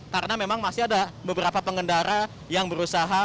karena memang masih ada beberapa pengendara yang berusaha menerobos